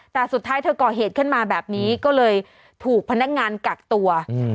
แต่สุดท้ายเธอก่อเหตุขึ้นมาแบบนี้ก็เลยถูกพนักงานกักตัวอืม